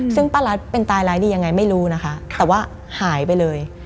ซึ่งป้ารัสเป็นตายร้ายดียังไงไม่รู้นะคะแต่ว่าหายไปเลย